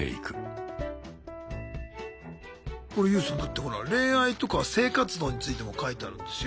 これＹＯＵさんだってほら恋愛とか性活動についても書いてあるんですよ。